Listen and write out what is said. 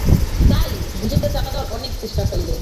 তাই, গুজবটা চাপা দেবার অনেক চেষ্টা করলে।